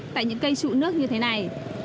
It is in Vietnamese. tại những cây trụ nước như thế này